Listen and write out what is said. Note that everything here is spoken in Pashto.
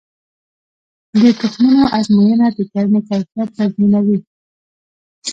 د تخمونو ازموینه د کرنې کیفیت تضمینوي.